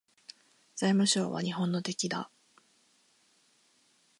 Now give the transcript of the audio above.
財務省は日本の敵だ